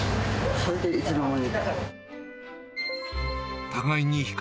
それでいつの間にか。